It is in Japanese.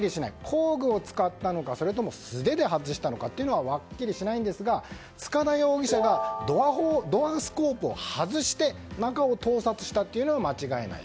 工具を使ったのかそれとも素手で外したのかははっきりしないんですが塚田容疑者がドアスコープを外して中を盗撮したというのは間違いない。